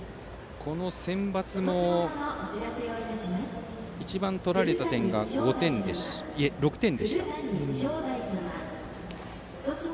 センバツでは一番取られた点が６点でした。